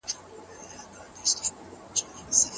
لويه جرګه به د نړيوالو سازمانونو استازي هم راوبولي.